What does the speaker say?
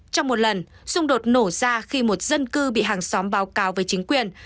trong một lần xung đột nổ ra khi một dân cư bị hàng xóm báo cáo với chính quyền